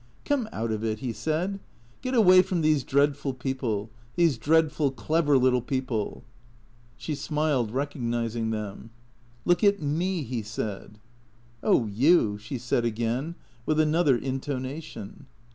" Come out of it," he said. " Get away from these dreadful people, these dreadful, clever little people." She smiled, recognizing them. " Look at ine^' he said. " Oh, you," she said again, with another intonation.